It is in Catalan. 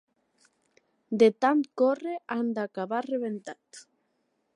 De tant córrer han d'acabar rebentats.